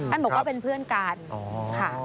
บอกว่าเป็นเพื่อนกันค่ะ